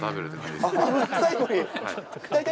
最後に？